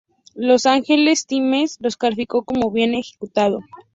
Los Angeles Times lo calificó como "bien ejecutado".